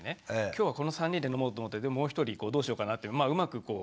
今日はこの３人で飲もうと思ってでももう１人どうしようかなってまあうまくこう断ったりとかして。